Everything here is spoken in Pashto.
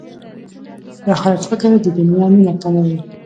د اخرت فکر د دنیا مینه کموي.